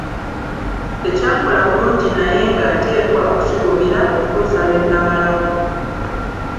Tekyankola bulungi naye nga nteekwa okukigumira okutuusa lwe nnamalako.